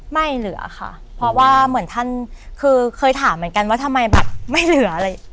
ไม่เหลือค่ะเพราะว่าเหมือนท่านคือเคยถามเหมือนกันว่าทำไมแบบไม่เหลืออะไร